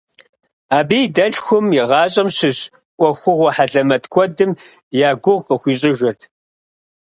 Абы и дэлъхум и гъащӏэм щыщ ӏуэхугъуэ хьэлэмэт куэдым я гугъу къыхуищӏыжырт.